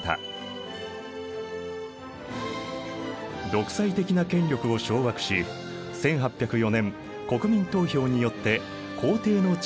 独裁的な権力を掌握し１８０４年国民投票によって皇帝の地位につく。